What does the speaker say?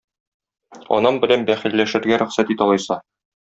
Анам белән бәхилләшергә рөхсәт ит алайса.